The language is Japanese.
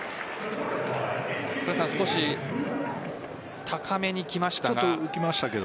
少し高めに来ましたが。